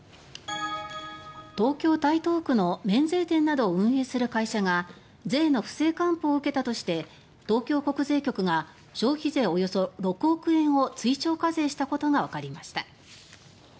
東京・台東区の免税店などを運営する会社が税の不正還付を受けたとして東京国税局が消費税およそ６億円を追徴課税したことがわかりました。